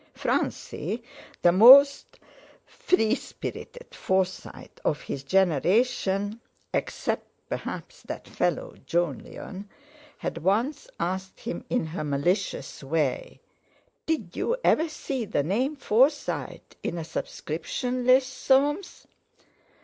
Francie, the most free spirited Forsyte of his generation (except perhaps that fellow Jolyon) had once asked him in her malicious way: "Did you ever see the name Forsyte in a subscription list, Soames?"